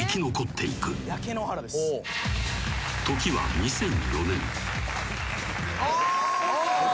［時は２００４年］